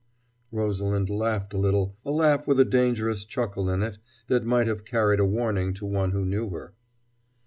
_" Rosalind laughed a little, a laugh with a dangerous chuckle in it that might have carried a warning to one who knew her.